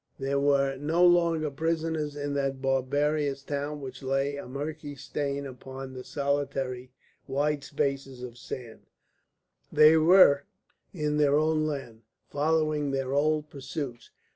They were no longer prisoners in that barbarous town which lay a murky stain upon the solitary wide spaces of sand; they were in their own land, following their old pursuits.